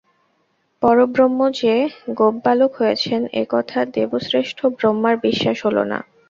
পরব্রহ্ম যে গোপবালক হয়েছেন, এ-কথা দেবশ্রেষ্ঠ ব্রহ্মার বিশ্বাস হল না।